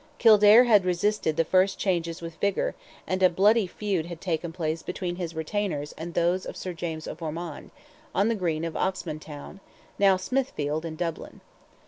Kildare had resisted the first changes with vigour, and a bloody feud had taken place between his retainers and those of Sir James of Ormond, on the green of Oxmantown—now Smithfield, in Dublin.